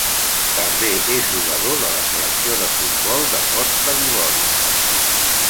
També és jugador de la selecció de futbol de Costa d'Ivori.